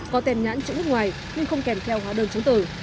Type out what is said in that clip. có tem nhãn chữ nước ngoài nhưng không kèm theo hóa đơn chứng tử